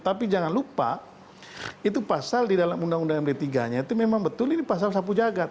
tapi jangan lupa itu pasal di dalam undang undang md tiga nya itu memang betul ini pasal sapu jagad